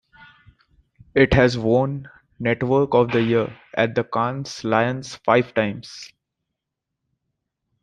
It has won "Network of the Year" at the Cannes Lions five times.